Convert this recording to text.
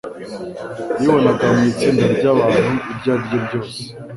Yibonaga mu itsinda ry'abantu iryo ariryo ryose,